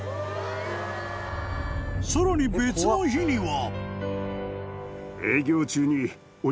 ［さらに別の日には］